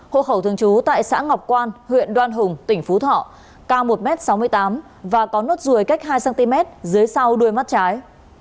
hộ khẩu thường trú tại xã ngọc quan huyện đoan hùng tỉnh phú thọ cao một m sáu mươi tám và có nốt ruồi cách hai cm dưới sau đuôi mắt trái